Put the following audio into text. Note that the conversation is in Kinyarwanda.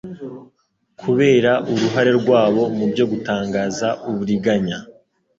Kubera uruhare rwabo mubyo gutangaza uburiganya